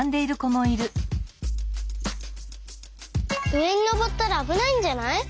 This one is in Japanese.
うえにのぼったらあぶないんじゃない？